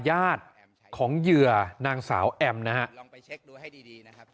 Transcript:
ญาติของเหยื่อนางสาวแอมนะฮะลองไปเช็คดูให้ดีดีนะครับ